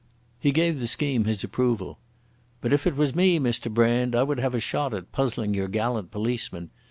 He gave the scheme his approval. "But if it was me, Mr Brand, I would have a shot at puzzling your gallant policemen.